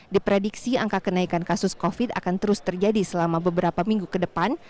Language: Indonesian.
diprediksi angka kenaikan kasus covid akan terus terjadi selama beberapa minggu ke depan